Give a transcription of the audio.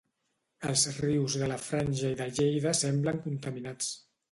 Els rius de la Franja i de Lleida semblen contaminats.